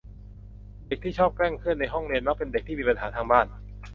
เด็กที่ชอบแกล้งเพื่อนในห้องเรียน มักเป็นเด็กที่มีปัญหาทางบ้าน